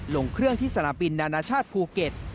ลงเครื่องที่สนามบินนานาชาติภูเก็ต